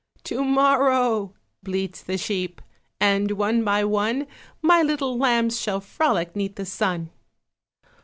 To morrow! bleats the sheep, And one by one My little lambs shall frolic 'Neath the sun.